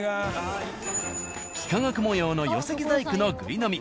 幾何学模様の寄木細工のぐい呑み。